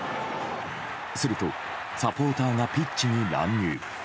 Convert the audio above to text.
すると、サポーターがピッチに乱入。